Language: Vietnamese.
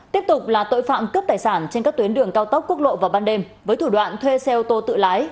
tiếp tục là tội phạm cướp tài sản trên các tuyến đường cao tốc quốc lộ vào ban đêm với thủ đoạn thuê xe ô tô tự lái